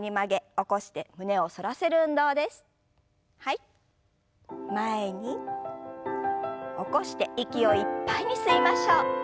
起こして息をいっぱいに吸いましょう。